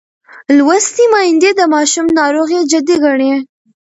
لوستې میندې د ماشوم ناروغي جدي ګڼي.